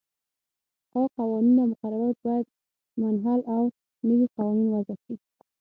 پخوا قوانین او مقررات باید منحل او نوي قوانین وضعه شي.